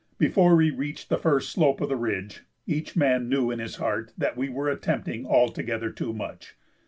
Before we reached the first slope of the ridge each man knew in his heart that we were attempting altogether too much.